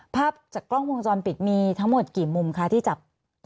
ภาพจากกล้องวงจรปิดมีทั้งหมดกี่มุมคะที่จับ